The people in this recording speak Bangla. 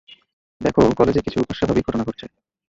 দেখো কলেজে কিছু অস্বাভাবিক ঘটনা ঘটছে।